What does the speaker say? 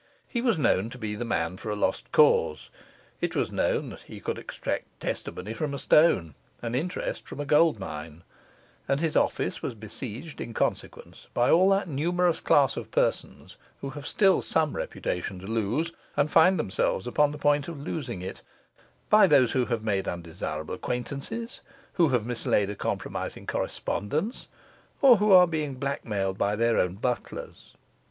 He was known to be the man for a lost cause; it was known he could extract testimony from a stone, and interest from a gold mine; and his office was besieged in consequence by all that numerous class of persons who have still some reputation to lose, and find themselves upon the point of losing it; by those who have made undesirable acquaintances, who have mislaid a compromising correspondence, or who are blackmailed by their own butlers.